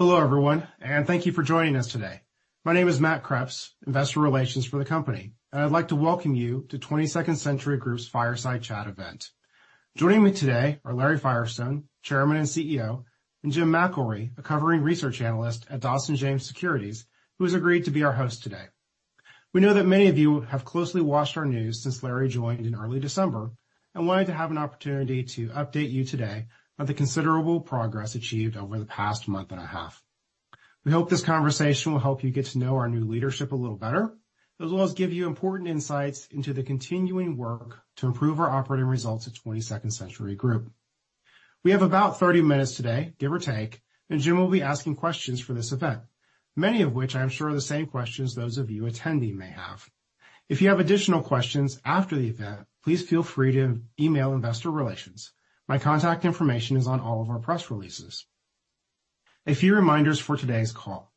Hello, everyone, and thank you for joining us today. My name is Matt Kreps, Investor Relations for the company, and I'd like to welcome you to 22nd Century Group's Fireside Chat event. Joining me today are Larry Firestone, Chairman and CEO, and Jim McIlree, a covering research analyst at Dawson James Securities, who has agreed to be our host today. We know that many of you have closely watched our news since Larry joined in early December and wanted to have an opportunity to update you today on the considerable progress achieved over the past month and a half. We hope this conversation will help you get to know our new leadership a little better, as well as give you important insights into the continuing work to improve our operating results at 22nd Century Group. We have about 30 minutes today, give or take, and Jim will be asking questions for this event, many of which I am sure are the same questions those of you attending may have. If you have additional questions after the event, please feel free to email Investor Relations. My contact information is on all of our press releases. A few reminders for today's call.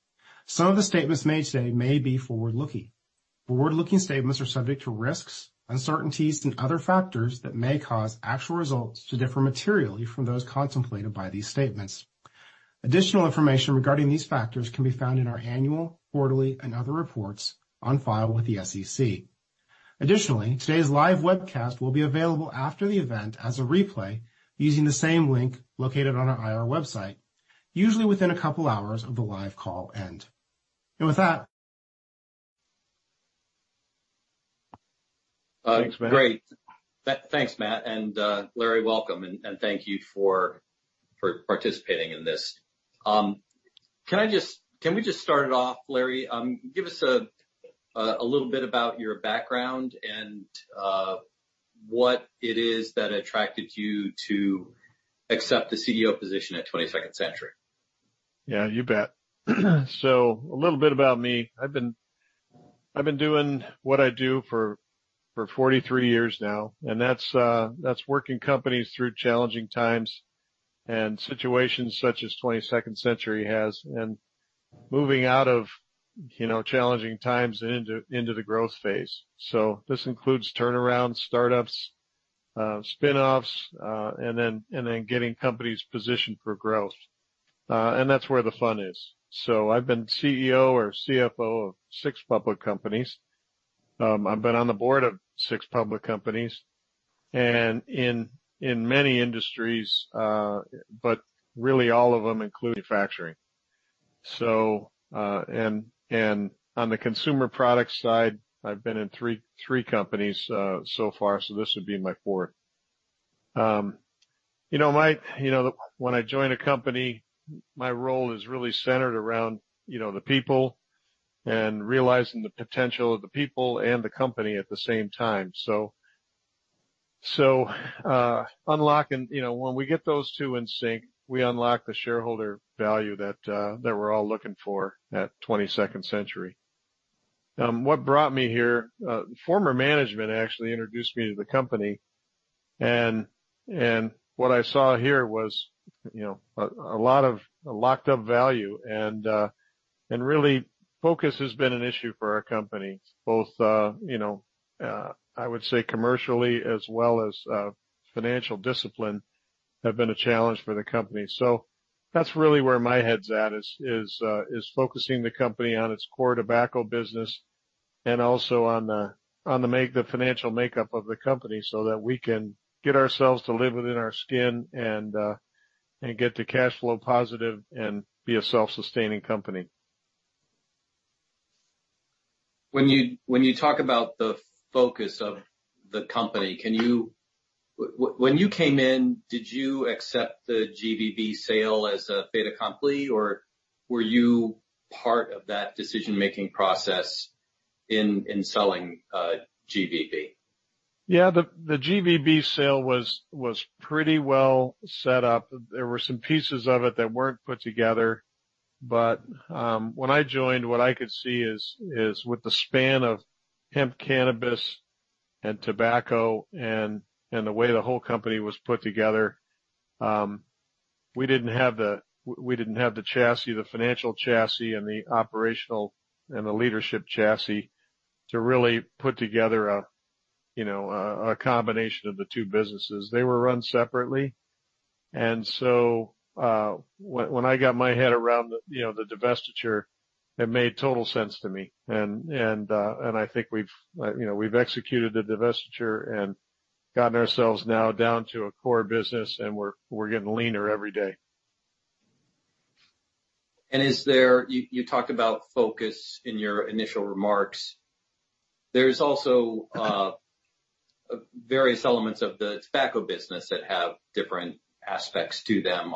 Some of the statements made today may be forward-looking. Forward-looking statements are subject to risks, uncertainties, and other factors that may cause actual results to differ materially from those contemplated by these statements. Additional information regarding these factors can be found in our annual, quarterly, and other reports on file with the SEC. Additionally, today's live webcast will be available after the event as a replay using the same link located on our IR website, usually within a couple of hours of the live call end. And with that... Thanks, Matt. Great. Thanks, Matt, and Larry, welcome, and thank you for participating in this. Can I just... Can we just start it off, Larry, give us a little bit about your background and what it is that attracted you to accept the CEO position at 22nd Century? Yeah, you bet. So a little bit about me. I've been doing what I do for 43 years now, and that's working companies through challenging times and situations such as 22nd Century has, and moving out of, you know, challenging times and into the growth phase. So this includes turnarounds, startups, spin-offs, and then getting companies positioned for growth. And that's where the fun is. So I've been CEO or CFO of six public companies. I've been on the board of six public companies and in many industries, but really, all of them include manufacturing. So, and on the consumer products side, I've been in three companies so far, so this would be my fourth. You know, my... You know, when I join a company, my role is really centered around, you know, the people and realizing the potential of the people and the company at the same time. So, unlocking, you know, when we get those two in sync, we unlock the shareholder value that we're all looking for at 22nd Century. What brought me here? Former management actually introduced me to the company, and what I saw here was, you know, a lot of locked up value. And really, focus has been an issue for our company. Both, you know, I would say commercially as well as financial discipline, have been a challenge for the company. So that's really where my head's at, is focusing the company on its core tobacco business and also on the financial makeup of the company so that we can get ourselves to live within our skin and get to cash flow positive and be a self-sustaining company. When you talk about the focus of the company, when you came in, did you accept the GVB sale as a fait accompli, or were you part of that decision-making process in selling GVB? Yeah, the GVB sale was pretty well set up. There were some pieces of it that weren't put together. But when I joined, what I could see is with the span of hemp, cannabis, and tobacco and the way the whole company was put together, we didn't have the chassis, the financial chassis and the operational and the leadership chassis to really put together a you know a combination of the two businesses. They were run separately. And so when I got my head around the you know the divestiture, it made total sense to me. And I think we've you know we've executed the divestiture and gotten ourselves now down to a core business, and we're getting leaner every day. Is there... You talked about focus in your initial remarks. There's also various elements of the tobacco business that have different aspects to them.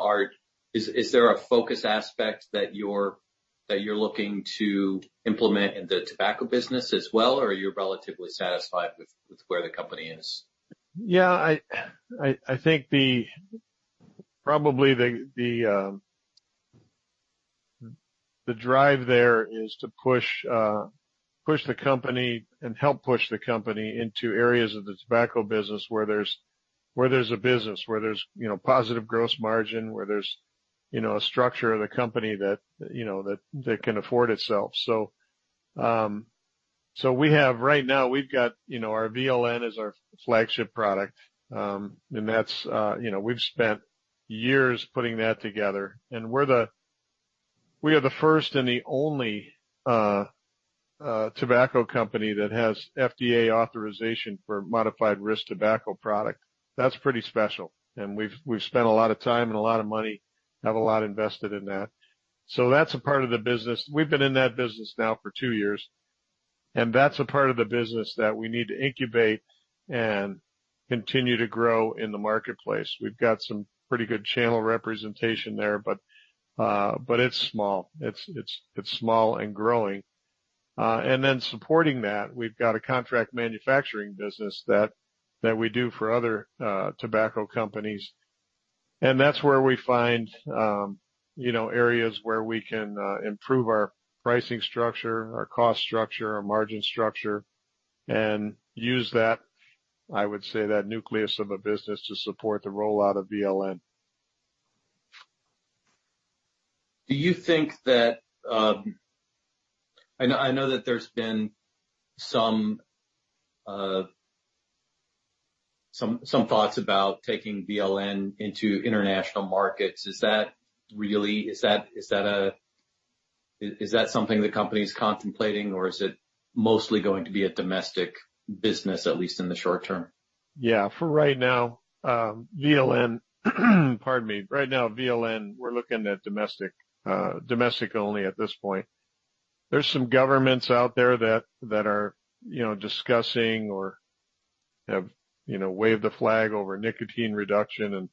Is there a focus aspect that you're looking to implement in the tobacco business as well, or are you relatively satisfied with where the company is? Yeah, I think... Probably, the drive there is to push the company and help push the company into areas of the tobacco business where there's a business, where there's, you know, positive gross margin, where there's, you know, a structure of the company that, you know, that can afford itself. So we have, right now, we've got, you know, our VLN is our flagship product, and that's, you know, we've spent years putting that together, and we are the first and the only tobacco company that has FDA authorization for Modified Risk Tobacco Product. That's pretty special, and we've spent a lot of time and a lot of money, have a lot invested in that. So that's a part of the business. We've been in that business now for two years, and that's a part of the business that we need to incubate and continue to grow in the marketplace. We've got some pretty good channel representation there, but, but it's small. It's small and growing. And then supporting that, we've got a contract manufacturing business that we do for other tobacco companies. And that's where we find, you know, areas where we can improve our pricing structure, our cost structure, our margin structure, and use that, I would say, that nucleus of a business to support the rollout of VLN. Do you think that, I know, I know that there's been some thoughts about taking VLN into international markets? Is that really—is that a—is that something the company's contemplating, or is it mostly going to be a domestic business, at least in the short-term? Yeah. For right now, VLN, pardon me, right now, VLN, we're looking at domestic, domestic only at this point. There's some governments out there that are, you know, discussing or have, you know, waved the flag over nicotine reduction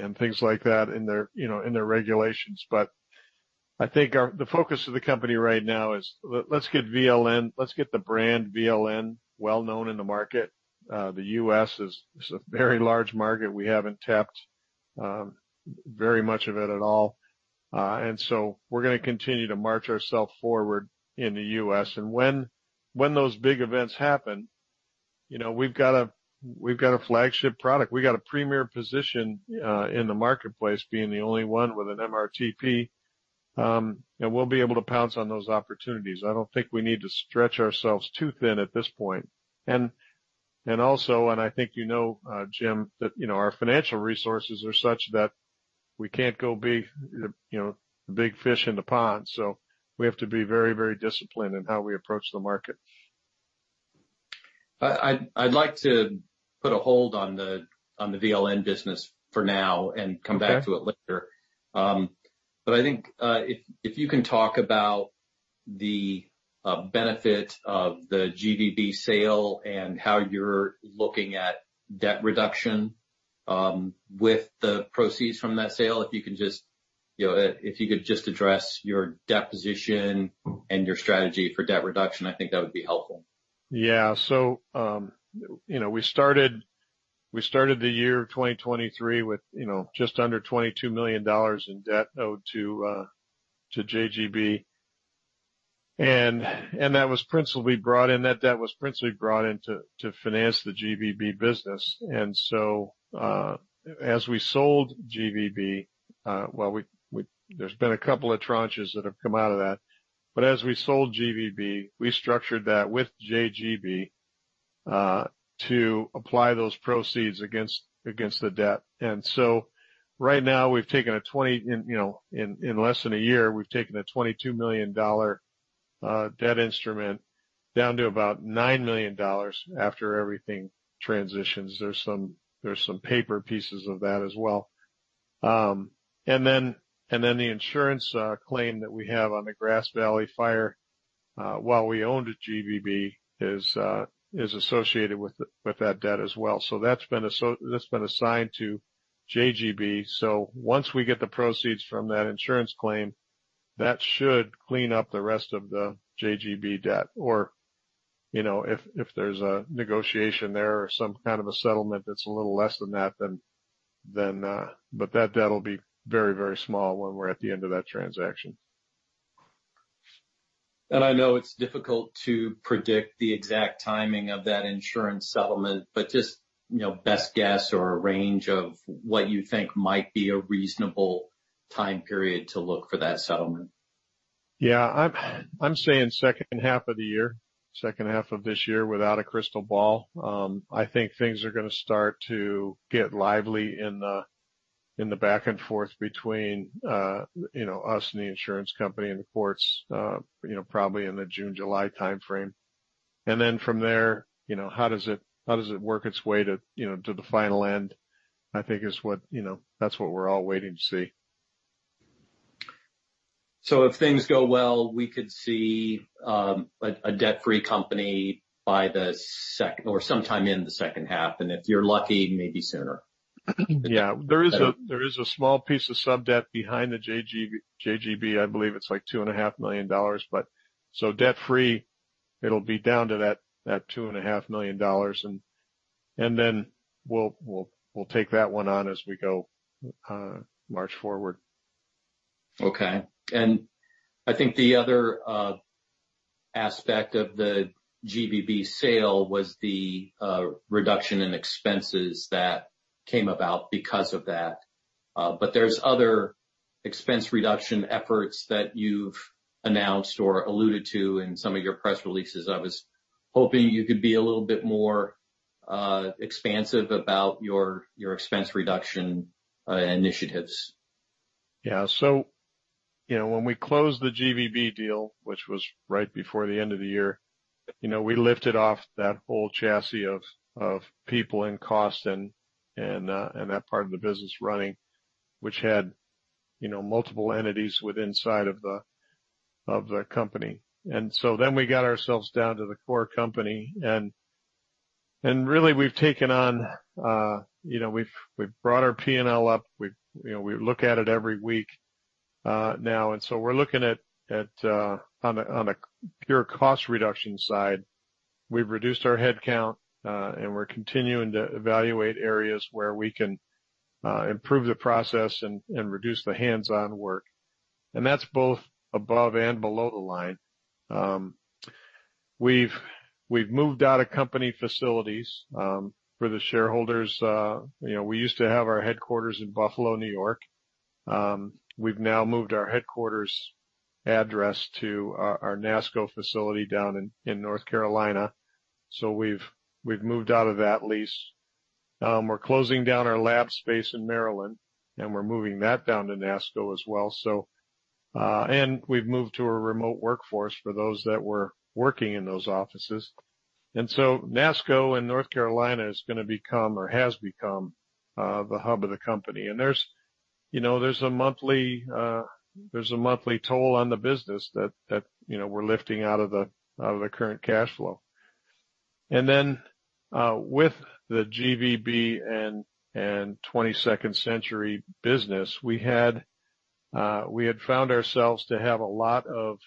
and things like that in their, you know, in their regulations. But I think our focus of the company right now is let's get VLN, let's get the brand, VLN, well-known in the market. The U.S. is a very large market we haven't tapped very much of it at all. And so we're gonna continue to march ourself forward in the U.S. And when those big events happen, you know, we've got a flagship product. We've got a premier position in the marketplace, being the only one with an MRTP, and we'll be able to pounce on those opportunities. I don't think we need to stretch ourselves too thin at this point. And also, I think you know, Jim, that you know, our financial resources are such that we can't go be the big fish in the pond, so we have to be very, very disciplined in how we approach the market. I'd like to put a hold on the VLN business for now- Okay. -and come back to it later. But I think, if, if you can talk about the benefit of the GVB sale and how you're looking at debt reduction, with the proceeds from that sale. If you can just, you know, if you could just address your debt position and your strategy for debt reduction, I think that would be helpful. Yeah. So, you know, we started the year 2023 with, you know, just under $22 million in debt owed to JGB. And that was principally brought in, that debt was principally brought in to finance the GVB business. And so, as we sold GVB, there's been a couple of tranches that have come out of that, but as we sold GVB, we structured that with JGB to apply those proceeds against the debt. And so right now, we've taken a twenty, you know, in less than a year, we've taken a $22 million debt instrument down to about $9 million after everything transitions. There's some paper pieces of that as well. And then the insurance claim that we have on the Grass Valley fire while we owned GVB is associated with that debt as well. So that's been assigned to JGB. So once we get the proceeds from that insurance claim, that should clean up the rest of the JGB debt. Or, you know, if there's a negotiation there or some kind of a settlement that's a little less than that, then... But that debt will be very, very small when we're at the end of that transaction. I know it's difficult to predict the exact timing of that insurance settlement, but just, you know, best guess or a range of what you think might be a reasonable time period to look for that settlement? Yeah. I'm saying second half of the year, second half of this year, without a crystal ball. I think things are gonna start to get lively in the back and forth between, you know, us and the insurance company and the courts, you know, probably in the June-July timeframe. And then from there, you know, how does it work its way to, you know, to the final end, I think is what, you know, that's what we're all waiting to see. If things go well, we could see a debt-free company by sometime in the second half, and if you're lucky, maybe sooner. Yeah. There is a, there is a small piece of sub-debt behind the JGB. I believe it's, like, $2.5 million, but so debt free, it'll be down to that, that $2.5 million, and, and then we'll, we'll, we'll take that one on as we go, march forward. Okay. And I think the other aspect of the GVB sale was the reduction in expenses that came about because of that. But there's other expense reduction efforts that you've announced or alluded to in some of your press releases. I was hoping you could be a little bit more expansive about your expense reduction initiatives. Yeah. So, you know, when we closed the GVB deal, which was right before the end of the year, you know, we lifted off that whole chassis of people and cost and that part of the business running, which had, you know, multiple entities within the company. And so then we got ourselves down to the core company, and really, we've taken on, you know, we've brought our P&L up. We, you know, we look at it every week now. And so we're looking at on a pure cost reduction side, we've reduced our headcount, and we're continuing to evaluate areas where we can improve the process and reduce the hands-on work. And that's both above and below the line. We've moved out of company facilities for the shareholders. You know, we used to have our headquarters in Buffalo, New York. We've now moved our headquarters address to our NASCO facility down in North Carolina. So we've moved out of that lease. We're closing down our lab space in Maryland, and we're moving that down to NASCO as well. So, and we've moved to a remote workforce for those that were working in those offices. And so NASCO in North Carolina is gonna become, or has become, the hub of the company. And there's, you know, a monthly toll on the business that, you know, we're lifting out of the current cash flow. And then, with the GVB and 22nd Century business, we had found ourselves to have a lot of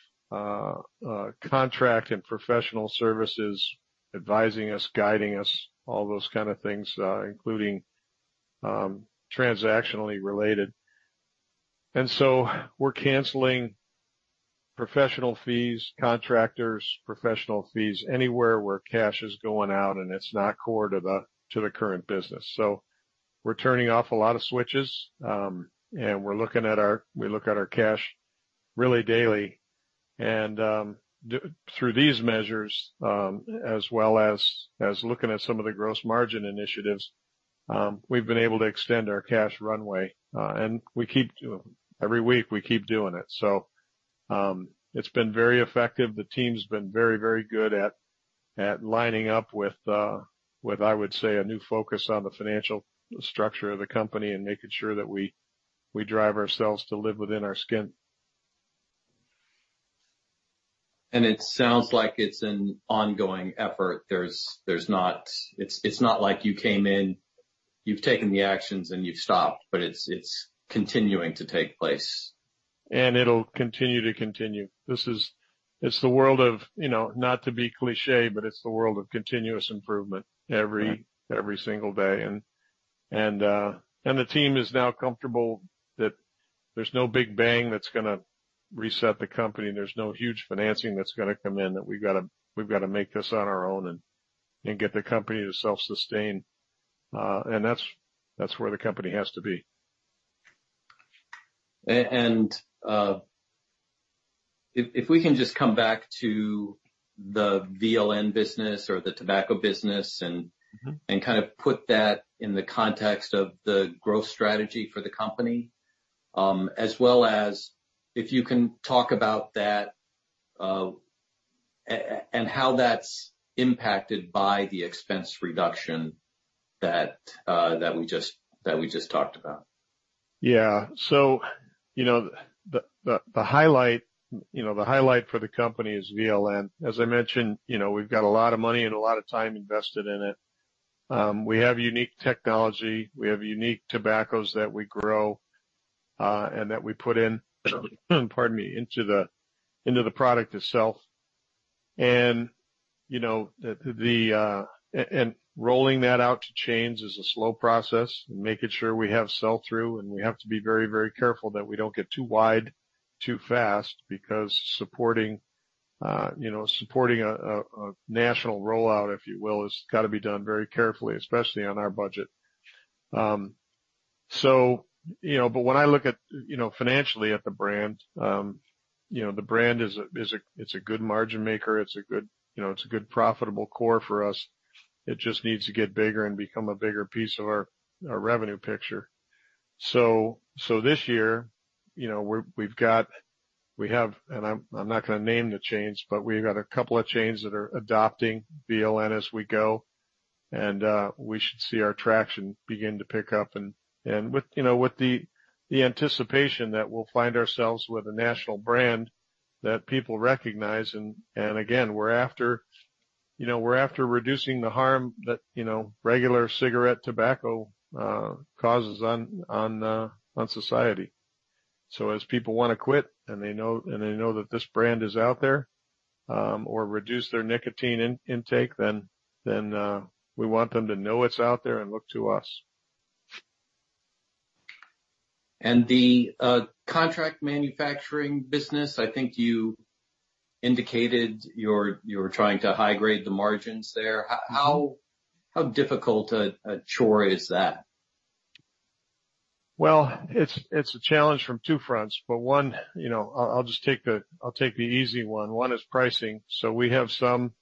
contract and professional services advising us, guiding us, all those kind of things, including transactionally related. And so we're canceling professional fees, contractors, professional fees, anywhere where cash is going out and it's not core to the current business. So we're turning off a lot of switches, and we look at our cash really daily. And through these measures, as well as looking at some of the gross margin initiatives, we've been able to extend our cash runway, and we keep doing it. Every week, we keep doing it. So it's been very effective. The team's been very, very good at lining up with, I would say, a new focus on the financial structure of the company and making sure that we drive ourselves to live within our skin. And it sounds like it's an ongoing effort. There's not. It's not like you came in, you've taken the actions and you've stopped, but it's continuing to take place. And it'll continue to continue. This is. It's the world of, you know, not to be cliché, but it's the world of continuous improvement every- Right... every single day. And the team is now comfortable that there's no big bang that's gonna reset the company, and there's no huge financing that's gonna come in, that we've got to make this on our own and get the company to self-sustain, and that's where the company has to be. If we can just come back to the VLN business or the tobacco business and- Mm-hmm... and kind of put that in the context of the growth strategy for the company, as well as if you can talk about that, and how that's impacted by the expense reduction that we just talked about. Yeah. So, you know, the highlight for the company is VLN. As I mentioned, you know, we've got a lot of money and a lot of time invested in it. We have unique technology. We have unique tobaccos that we grow, and that we put in, pardon me, into the product itself. And, you know, rolling that out to chains is a slow process, and making sure we have sell-through, and we have to be very, very careful that we don't get too wide, too fast, because supporting, you know, supporting a national rollout, if you will, has got to be done very carefully, especially on our budget. So, you know, but when I look at, you know, financially at the brand, you know, the brand is a good margin maker. It's a good, you know, profitable core for us. It just needs to get bigger and become a bigger piece of our revenue picture. So this year, you know, we've got—we have, and I'm not gonna name the chains, but we've got a couple of chains that are adopting VLN as we go, and we should see our traction begin to pick up. And with, you know, with the anticipation that we'll find ourselves with a national brand that people recognize, and again, we're after, you know, we're after reducing the harm that, you know, regular cigarette tobacco causes on society. As people wanna quit, and they know, and they know that this brand is out there, or reduce their nicotine intake, then we want them to know it's out there and look to us. The contract manufacturing business, I think you indicated you're trying to high grade the margins there. How difficult a chore is that? Well, it's a challenge from two fronts, but one, you know, I'll just take the easy one. One is pricing. So we have some,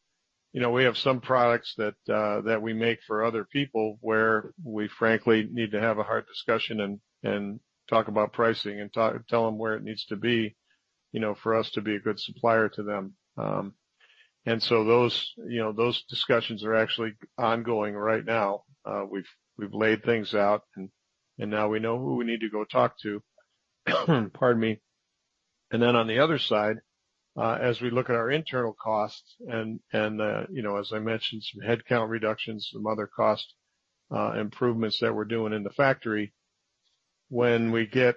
you know, we have some products that we make for other people, where we frankly need to have a hard discussion and talk about pricing and tell them where it needs to be, you know, for us to be a good supplier to them. And so those, you know, those discussions are actually ongoing right now. We've laid things out, and now we know who we need to go talk to. Pardon me. And then, on the other side, as we look at our internal costs, and, you know, as I mentioned, some headcount reductions, some other cost improvements that we're doing in the factory, when we get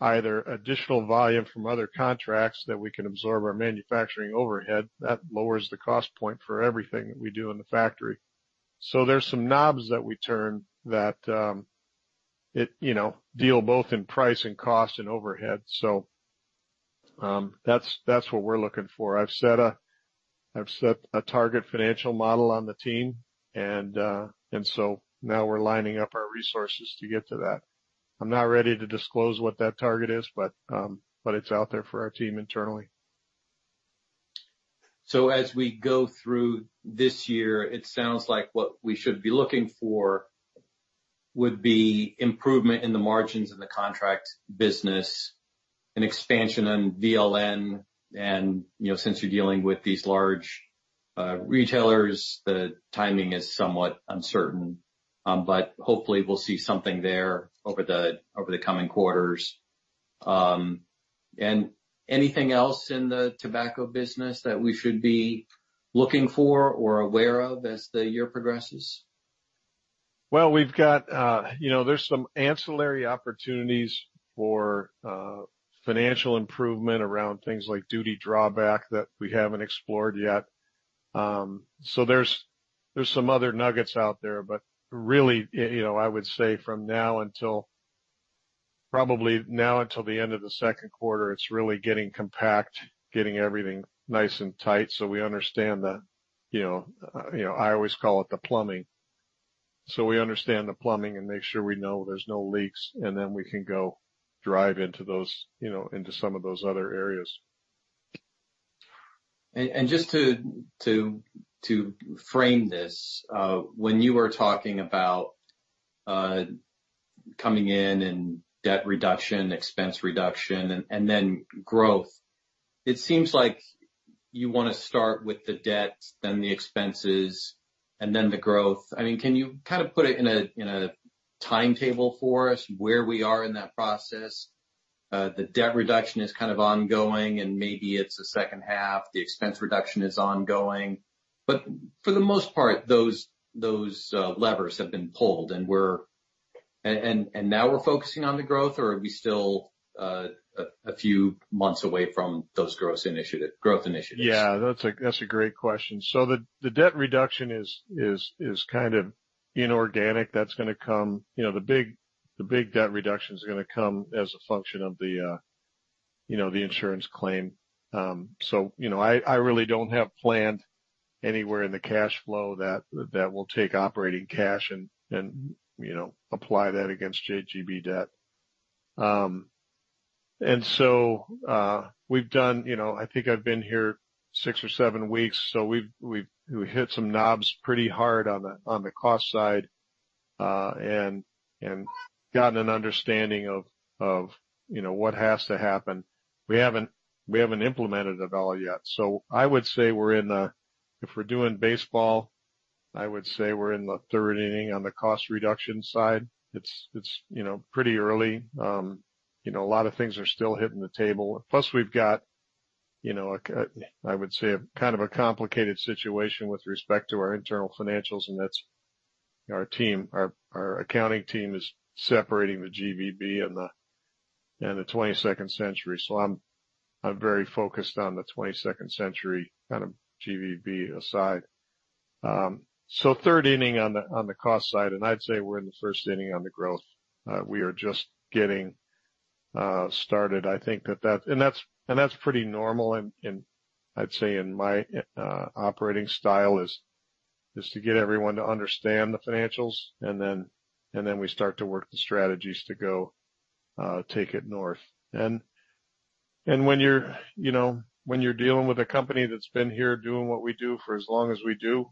either additional volume from other contracts that we can absorb our manufacturing overhead, that lowers the cost point for everything that we do in the factory. So there's some knobs that we turn that, you know, deal both in price and cost and overhead. So, that's, that's what we're looking for. I've set a, I've set a target financial model on the team, and, and so now we're lining up our resources to get to that. I'm not ready to disclose what that target is, but, but it's out there for our team internally. So as we go through this year, it sounds like what we should be looking for would be improvement in the margins in the contract business and expansion on VLN, and, you know, since you're dealing with these large retailers, the timing is somewhat uncertain. But hopefully, we'll see something there over the coming quarters. And anything else in the tobacco business that we should be looking for or aware of as the year progresses? Well, we've got, you know, there's some ancillary opportunities for financial improvement around things like duty drawback that we haven't explored yet. So there's some other nuggets out there, but really, you know, I would say from now until, probably now until the end of the second quarter, it's really getting compact, getting everything nice and tight, so we understand the, you know, you know, I always call it the plumbing. So we understand the plumbing and make sure we know there's no leaks, and then we can go drive into those, you know, into some of those other areas. Just to frame this, when you were talking about coming in and debt reduction, expense reduction, and then growth, it seems like you wanna start with the debt, then the expenses, and then the growth. I mean, can you kind of put it in a timetable for us, where we are in that process? The debt reduction is kind of ongoing, and maybe it's the second half. The expense reduction is ongoing. But for the most part, those levers have been pulled, and now we're focusing on the growth, or are we still a few months away from those growth initiatives? Yeah, that's a great question. So the debt reduction is kind of inorganic. That's gonna come... You know, the big debt reduction is gonna come as a function of the, you know, the insurance claim. So, you know, I really don't have planned anywhere in the cash flow that will take operating cash and, you know, apply that against JGB debt. And so, we've done, you know, I think I've been here six or seven weeks, so we've hit some knobs pretty hard on the cost side, and gotten an understanding of, you know, what has to happen. We haven't implemented it all yet. So I would say we're in a... If we're doing baseball, I would say we're in the third inning on the cost reduction side. It's you know, pretty early. You know, a lot of things are still hitting the table. Plus, we've got you know, I would say, a kind of a complicated situation with respect to our internal financials, and that's our team. Our accounting team is separating the GVB and the 22nd Century, so I'm very focused on the 22nd Century, kind of GVB aside. So third inning on the cost side, and I'd say we're in the first inning on the growth. We are just getting started. I think that that... And that's pretty normal in, I'd say, in my operating style, is to get everyone to understand the financials, and then we start to work the strategies to go take it north. And when you're, you know, when you're dealing with a company that's been here doing what we do for as long as we do,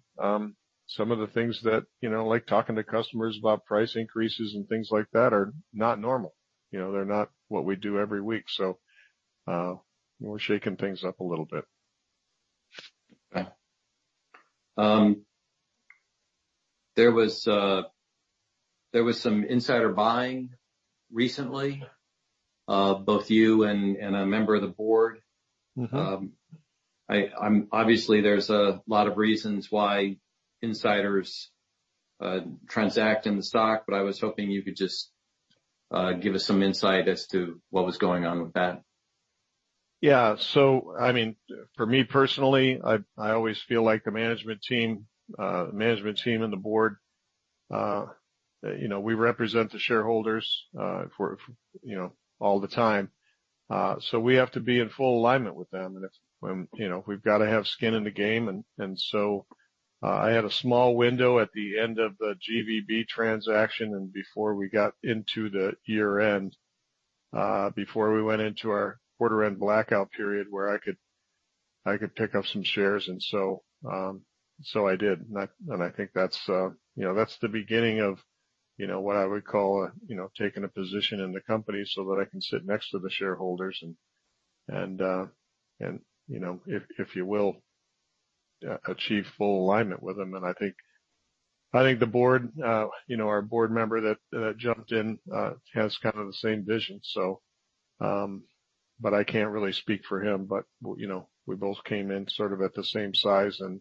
some of the things that, you know, like talking to customers about price increases and things like that, are not normal. You know, they're not what we do every week, so we're shaking things up a little bit. There was some insider buying recently, both you and a member of the board. Mm-hmm. Obviously, there's a lot of reasons why insiders transact in the stock, but I was hoping you could just give us some insight as to what was going on with that. Yeah. So, I mean, for me, personally, I always feel like the management team and the board—you know, we represent the shareholders, you know, all the time. So we have to be in full alignment with them, and when, you know, we've got to have skin in the game. And so, I had a small window at the end of the GVB transaction, and before we got into the year-end, before we went into our quarter-end blackout period, where I could pick up some shares, and so, I did. I think that's the beginning of what I would call taking a position in the company so that I can sit next to the shareholders and, you know, if you will, achieve full alignment with them. I think the board, you know, our board member that jumped in has kind of the same vision, so. But I can't really speak for him. Well, you know, we both came in sort of at the same size and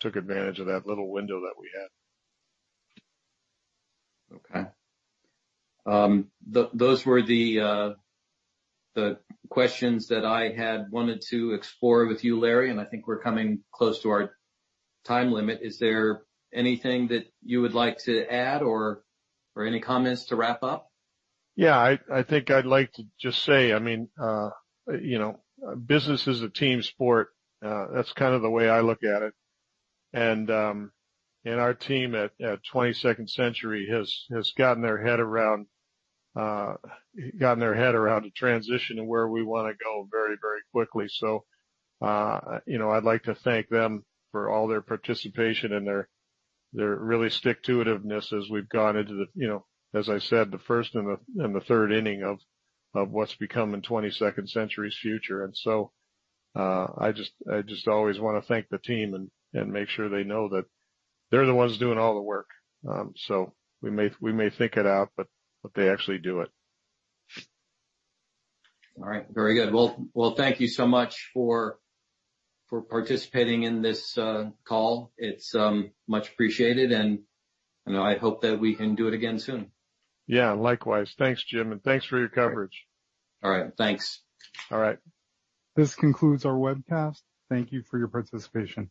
took advantage of that little window that we had. Okay. Those were the questions that I had wanted to explore with you, Larry, and I think we're coming close to our time limit. Is there anything that you would like to add, or any comments to wrap up? Yeah, I think I'd like to just say, I mean, you know, business is a team sport. That's kind of the way I look at it. And our team at 22nd Century has gotten their head around transitioning where we wanna go very, very quickly. So, you know, I'd like to thank them for all their participation and their really stick-to-it-iveness as we've gone into, you know, as I said, the first and the third inning of what's becoming 22nd Century's future. And so, I just always wanna thank the team and make sure they know that they're the ones doing all the work. So we may think it out, but they actually do it. All right. Very good. Well, well, thank you so much for participating in this call. It's much appreciated, and, you know, I hope that we can do it again soon. Yeah. Likewise. Thanks, Jim, and thanks for your coverage. All right, thanks. All right. This concludes our webcast. Thank you for your participation.